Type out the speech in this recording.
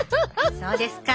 そうですか。